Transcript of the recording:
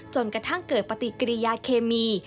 จนกระทั่งเกิดปฏิกิริยาเคมี